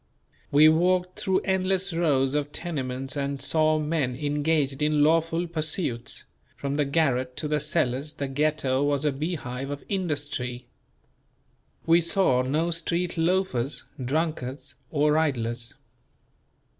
We walked through endless rows of tenements and saw men engaged in lawful pursuits; from the garret to the cellars the Ghetto was a beehive of industry. We saw no street loafers, drunkards or idlers.